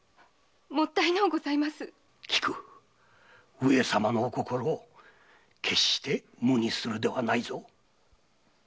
上様の御心決して無にするではないぞ。